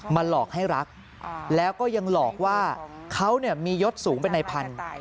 หลอกให้รักแล้วก็ยังหลอกว่าเขามียศสูงเป็นในพันธุ์